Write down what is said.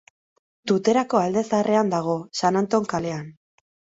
Tuterako Alde Zaharrean dago, San Anton kalean.